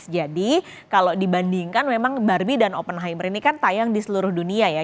jadi kalau dibandingkan memang barbie dan oppenheimer ini kan tayang di seluruh dunia ya